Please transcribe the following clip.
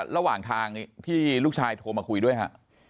ระหว่างทางที่ลูกชายโทรมาคุยด้วยฮะ